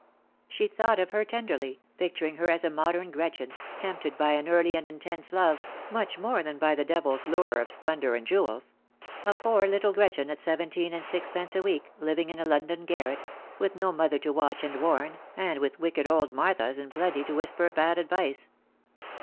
She thought of her tenderly^ picturing her as a modern Gretchen, tempted by an early and intense love, much more than by the deviFs lure of splendour and jewels — a poor little Gretchen at seventeen and sixpence a week, living in a London garret, with no mother to watch and warn, and with wicked old Marthas in plenty to whisper bad advice.